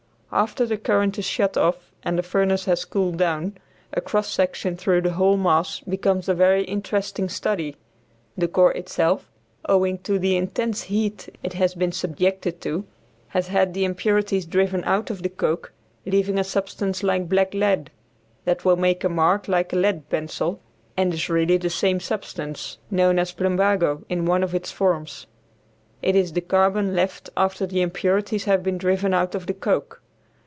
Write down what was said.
After the current is shut off and the furnace has cooled down, a cross section through the whole mass becomes a very interesting study. The core itself, owing to the intense heat it has been subjected to, has had the impurities driven out of the coke, leaving a substance like black lead, that will make a mark like a lead pencil, and is really the same substance, known as plumbago, in one of its forms. It is the carbon left after the impurities have been driven out of the coke.